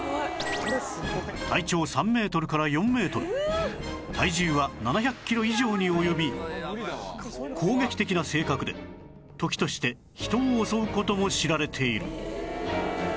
体長３メートルから４メートル体重は７００キロ以上に及び攻撃的な性格で時として人を襲う事も知られている